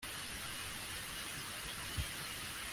ngutuza ikambere kuko nkubaha